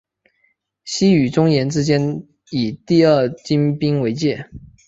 西与中延之间以第二京滨为界。